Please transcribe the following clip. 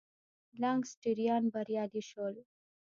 لانکسټریان بریالي شول.